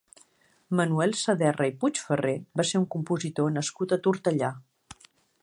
Manuel Saderra i Puigferrer va ser un compositor nascut a Tortellà.